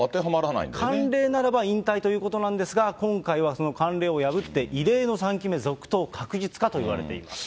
慣例ならば引退ということなんですが、今回はその慣例を破って異例の３期目続投確実かといわれています。